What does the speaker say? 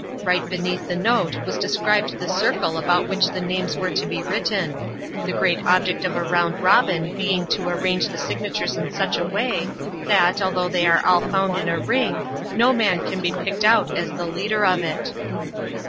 Bight beneath the note was described the circle about which the names were to be written ; the great object of a Bound Bobin being to arrange th6 signatures in such a way, that, although they are all found in a ring, no man can be picked out as the leader of it.